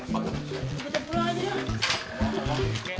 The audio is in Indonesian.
kita pulang aja